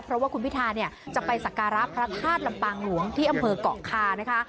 เพราะว่าคุณพิธาเนี่ยจะไปสักการะพระธาตุลำปางหลวงที่อำเภอกเกาะคานะคะ